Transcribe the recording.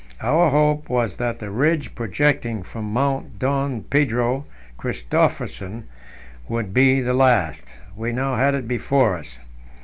Our hope was that the ridge projecting from Mount Don Pedro Christophersen would be the last; we now had it before us.